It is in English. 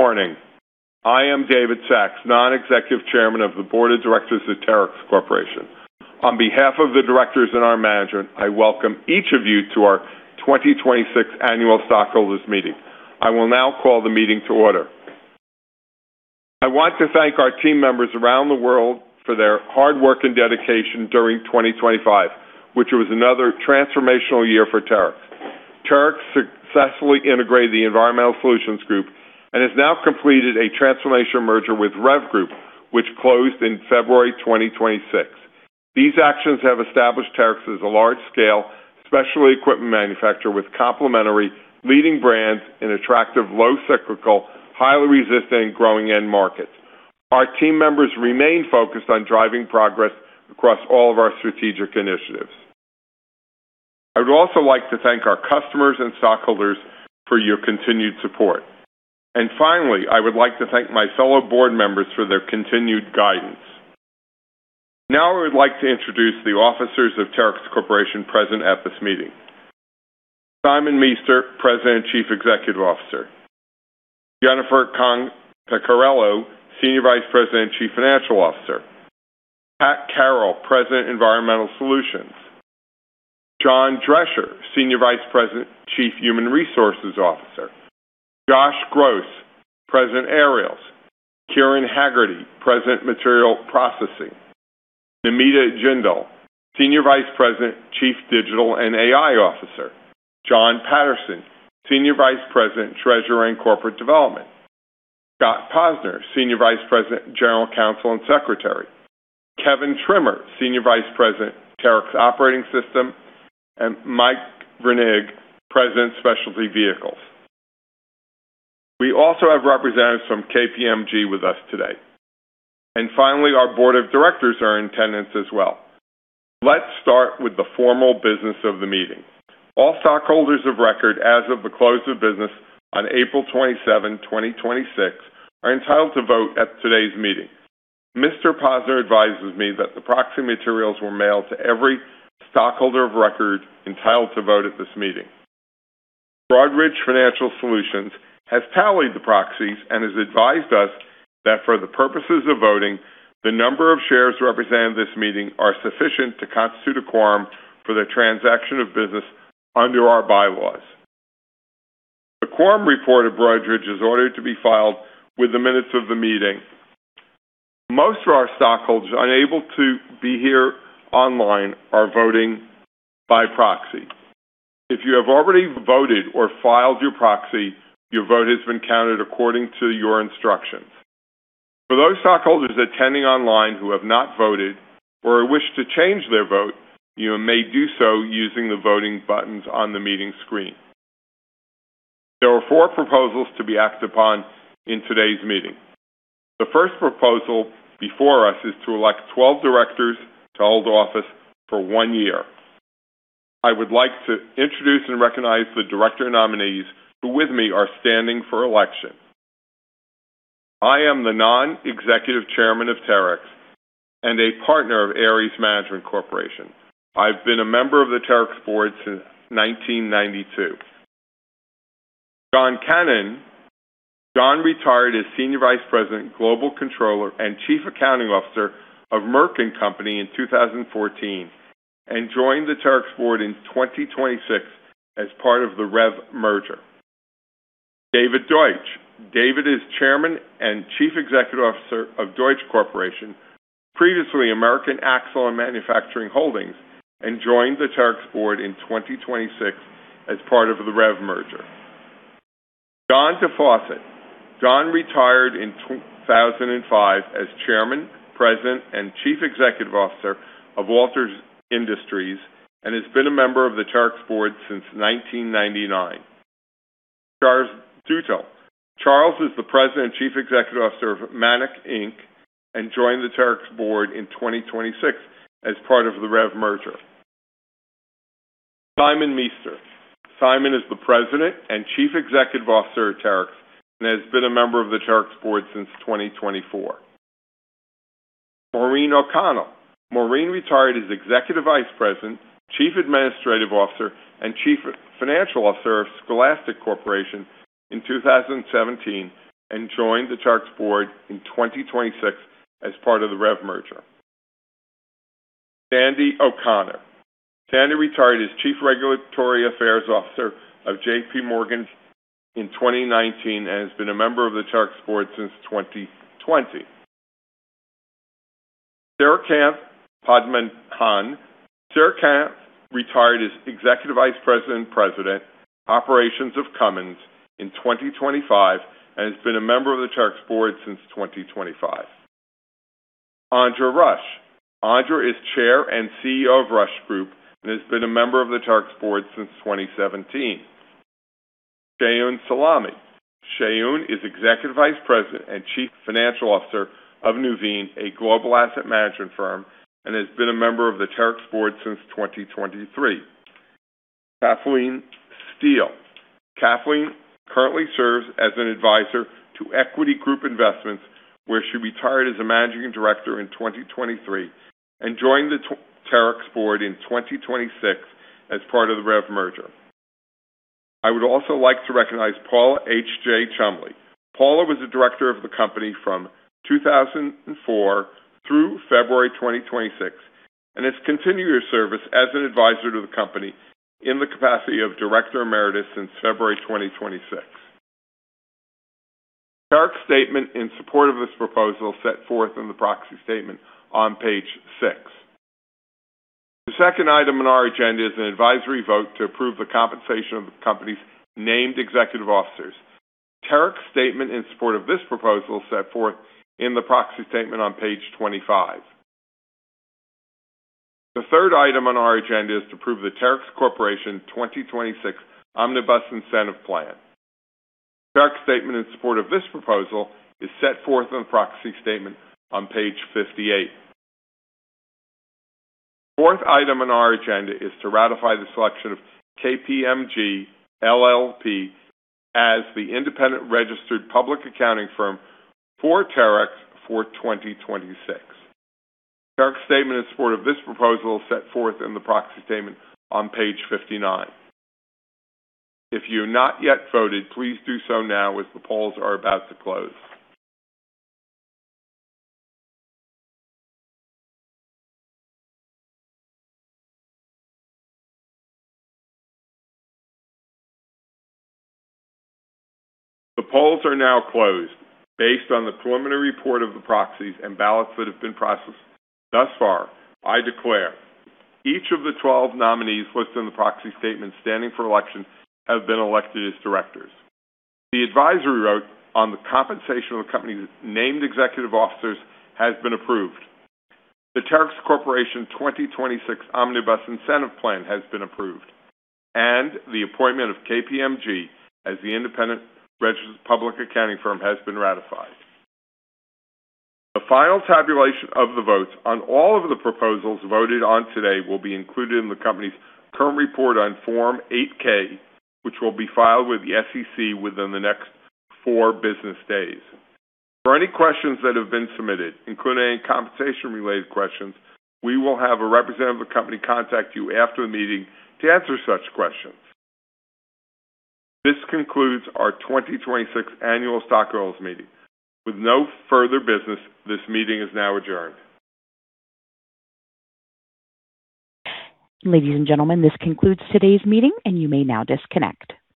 Good morning. I am David Sachs, Non-Executive Chairman of the Board of Directors of Terex Corporation. On behalf of the directors and our management, I welcome each of you to our 2026 annual stockholders meeting. I will now call the meeting to order. I want to thank our team members around the world for their hard work and dedication during 2025, which was another transformational year for Terex. Terex successfully integrated the Environmental Solutions Group and has now completed a transformational merger with REV Group, which closed in February 2026. These actions have established Terex as a large-scale specialty equipment manufacturer with complementary leading brands in attractive, low cyclical, highly resistant, growing end markets. Our team members remain focused on driving progress across all of our strategic initiatives. I would also like to thank our customers and stockholders for your continued support. Finally, I would like to thank my fellow board members for their continued guidance. Now, I would like to introduce the officers of Terex Corporation present at this meeting. Simon Meester, President and Chief Executive Officer. Jennifer Kong-Picarello, Senior Vice President and Chief Financial Officer. Pat Carroll, President, Environmental Solutions. John Dreasher, Senior Vice President, Chief Human Resources Officer. Josh Gross, President, Aerials. Kieran Hegarty, President, Materials Processing. Namita Jindal, Senior Vice President, Chief Digital and AI Officer. Jon Paterson, Senior Vice President, Treasurer, and Corporate Development. Scott Posner, Senior Vice President, General Counsel, and Secretary. Kevin Trimmer, Senior Vice President, Terex Operating System, and Michael Virnig, President, Specialty Vehicles. We also have representatives from KPMG with us today. Finally, our board of directors are in attendance as well. Let's start with the formal business of the meeting. All stockholders of record as of the close of business on April 27, 2026, are entitled to vote at today's meeting. Mr. Posner advises me that the proxy materials were mailed to every stockholder of record entitled to vote at this meeting. Broadridge Financial Solutions has tallied the proxies and has advised us that for the purposes of voting, the number of shares represented at this meeting are sufficient to constitute a quorum for the transaction of business under our bylaws. The quorum report of Broadridge is ordered to be filed with the minutes of the meeting. Most of our stockholders unable to be here online are voting by proxy. If you have already voted or filed your proxy, your vote has been counted according to your instructions. For those stockholders attending online who have not voted or wish to change their vote, you may do so using the voting buttons on the meeting screen. There are four proposals to be acted upon in today's meeting. The first proposal before us is to elect 12 directors to hold office for one year. I would like to introduce and recognize the director nominees who with me are standing for election. I am the non-executive chairman of Terex and a partner of Ares Management Corporation. I've been a member of the Terex board since 1992. John Canan. John retired as Senior Vice President, Global Controller, and Chief Accounting Officer of Merck & Co., Inc. in 2014 and joined the Terex board in 2026 as part of the REV merger. David Dauch. David is Chairman and Chief Executive Officer of Dauch Corporation, previously American Axle & Manufacturing Holdings, Inc., and joined the Terex board in 2026 as part of the REV Group merger. Don DeFosset. Don retired in 2005 as Chairman, President, and Chief Executive Officer of Walter Industries and has been a member of the Terex board since 1999. Charles Dutil. Charles is the President and Chief Executive Officer of Manac Inc. and joined the Terex board in 2026 as part of the REV Group merger. Simon Meester. Simon is the President and Chief Executive Officer of Terex and has been a member of the Terex board since 2024. Maureen O'Connell. Maureen retired as Executive Vice President, Chief Administrative Officer, and Chief Financial Officer of Scholastic Corporation in 2017 and joined the Terex board in 2026 as part of the REV Group merger. Sandie O'Connor. Sandie retired as Chief Regulatory Affairs Officer of JPMorgan in 2019 and has been a member of the Terex board since 2020. Srikanth Padmanabhan. Srikanth retired as Executive Vice President and President, Operations of Cummins in 2025 and has been a member of the Terex board since 2025. Andra Rush. Andra is Chair and CEO of Rush Group and has been a member of the Terex board since 2017. Seun Salami. Seun is Executive Vice President and Chief Financial Officer of Nuveen, a global asset management firm, and has been a member of the Terex board since 2023. Kathleen Steele. Kathleen currently serves as an advisor to Equity Group Investments where she retired as a managing director in 2023 and joined the Terex board in 2026 as part of the REV Group merger. I would also like to recognize Paula H. J. Cholmondeley. Paula was a director of the company from 2004 through February 2026, and has continued her service as an advisor to the company in the capacity of Director Emeritus since February 2026. Terex's statement in support of this proposal set forth in the proxy statement on page six. The second item on our agenda is an advisory vote to approve the compensation of the company's named executive officers. Terex's statement in support of this proposal set forth in the proxy statement on page 25. The third item on our agenda is to approve the Terex Corporation 2026 Omnibus Incentive Plan. Terex's statement in support of this proposal is set forth in the proxy statement on page 58. The fourth item on our agenda is to ratify the selection of KPMG LLP as the independent registered public accounting firm for Terex for 2026. Terex's statement in support of this proposal set forth in the proxy statement on page 59. If you've not yet voted, please do so now as the polls are about to close. The polls are now closed. Based on the preliminary report of the proxies and ballots that have been processed thus far, I declare each of the 12 nominees listed in the proxy statement standing for election have been elected as directors. The advisory vote on the compensation of the company's named executive officers has been approved. The Terex Corporation 2026 Omnibus Incentive Plan has been approved, and the appointment of KPMG as the independent registered public accounting firm has been ratified. The final tabulation of the votes on all of the proposals voted on today will be included in the company's current report on Form 8-K, which will be filed with the SEC within the next four business days. For any questions that have been submitted, including any compensation-related questions, we will have a representative of the company contact you after the meeting to answer such questions. This concludes our 2026 annual stockholders meeting. With no further business, this meeting is now adjourned. Ladies and gentlemen, this concludes today's meeting, and you may now disconnect.